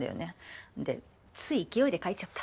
でつい勢いで書いちゃった。